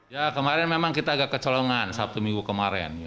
ya kemarin memang kita agak kecolongan sabtu minggu kemarin